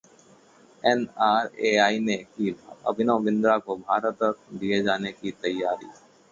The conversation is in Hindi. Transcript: एनआरएआई ने की अभिनव बिंद्रा को भारत रत्न दिए जाने की तैयारी